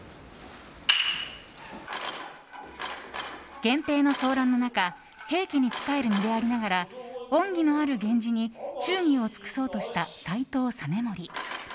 源平の争乱の中平家に使える身でありながら恩義のある源氏に忠義を尽くそうとした斎藤実盛。